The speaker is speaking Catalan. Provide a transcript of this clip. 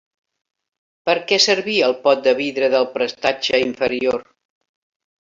Per a què servia el pot de vidre del prestatge inferior?